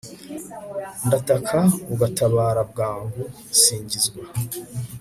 ndataka ugatabara bwangu singizwa.